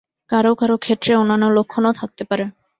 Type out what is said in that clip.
কারও কারও ক্ষেত্রে অন্যান্য লক্ষণও থাকতে পারে।